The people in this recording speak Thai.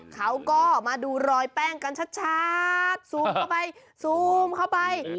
เขาก็มาดูรอยแป้งกันชัดซูมเข้าไปซูมเข้าไป